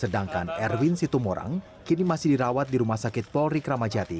sedangkan erwin situmorang kini masih dirawat di rumah sakit polri kramajati